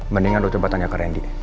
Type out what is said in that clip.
mendingan lo coba tanya ke randy